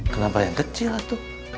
kenapa yang kecil atuh